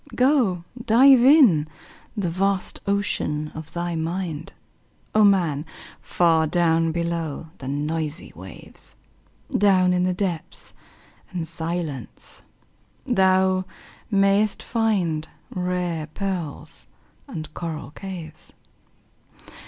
Go, dive in the vast ocean of thy mind, O man! far down below the noisy waves, Down in the depths and silence thou mayst find Rare pearls and coral caves.